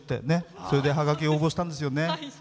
それではがきで応募したんですよね。